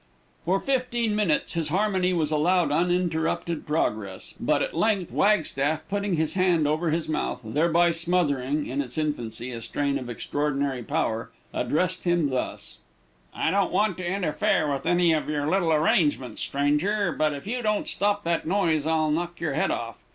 For fifteen minutes his harmony was allowed uninterrupted progress, but at length Wagstaff, putting his hand over his mouth, thereby smothering, in its infancy, a strain of extraordinary power, addressed him thus: "I don't want to interfere with any of your little arrangements, stranger, but, if you don't stop that noise, I'll knock your head off.